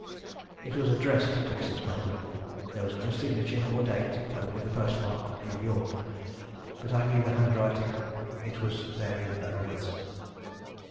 It was addressed to Mrs. Belden; there was no signature or date, only the postmark New York; but I knew the handwriting. It was Mary Leavenworth's.